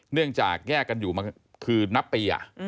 เนื่องจากแยกกันอยู่มาคือนับปี